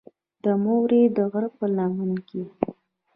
د مورې د غرۀ پۀ لمن کښې